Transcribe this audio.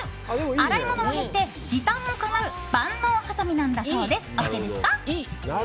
洗い物も減って時短もかなう万能はさみなんだそうです。